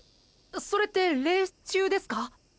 それってレース中ですか？